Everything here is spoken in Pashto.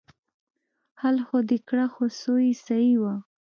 حل خو دې کړه خو څو يې صيي وه.